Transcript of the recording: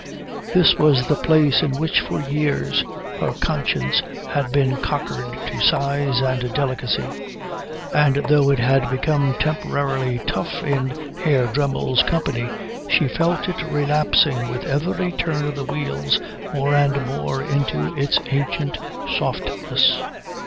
This was the place in which for years her conscience had been cockered to size and delicacy; and though it had become temporarily tough in Herr Dremmel's company she felt it relapsing with every turn of the wheels more and more into its ancient softness.